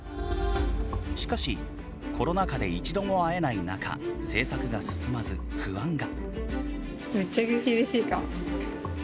しかしコロナ禍で一度も会えない中制作が進まず不安が。